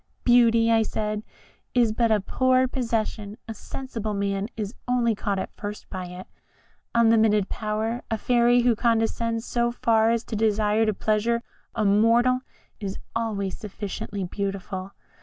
'Beauty,' I said, 'is but a poor possession a sensible man is only caught at first by it. Unlimited power a fairy who condescends so far as to desire to please a mortal is always sufficiently beautiful.'